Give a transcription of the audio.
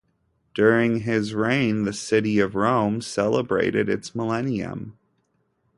During his reign, the city of Rome celebrated its millennium.